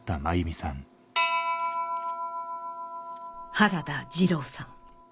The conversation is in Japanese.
原田二郎さん